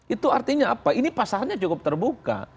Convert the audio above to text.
itu artinya apa ini pasarnya cukup terbuka